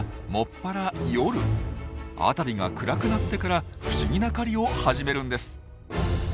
辺りが暗くなってから不思議な狩りを始めるんです。